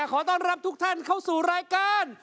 ขอต้อนรับทุกท่านเข้าสู่รายการ